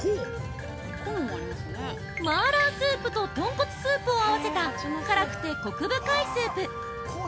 ◆麻辣スープととんこつスープを合わせた辛くてコク深いスープ。